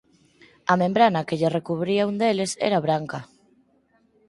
A membrana que lle recubría un deles era branca.